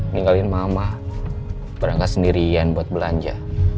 ninggalin mama berangkat sendirian buat belanja